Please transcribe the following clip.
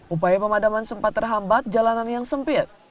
upaya pemadaman sempat terhambat jalanan yang sempit